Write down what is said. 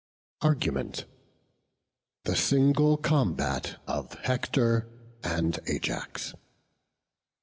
ARGUMENT. THE SINGLE COMBAT OF HECTOR AND AJAX.